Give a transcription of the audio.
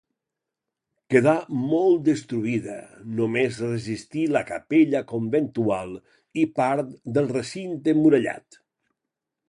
Quedà molt destruïda, només resistí la capella conventual i part del recinte murallat.